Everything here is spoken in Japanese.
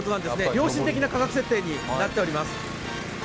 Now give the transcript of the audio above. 良心的な価格設定になっております。